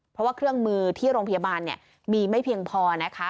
เพราะว่าเครื่องมือที่โรงพยาบาลมีไม่เพียงพอนะคะ